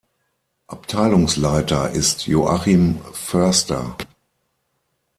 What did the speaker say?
Abteilungsleiter ist Joachim Förster.